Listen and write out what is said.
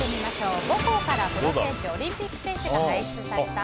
母校からプロ選手・オリンピック選手が輩出された？